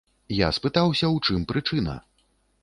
Я спытаўся, у чым прычына?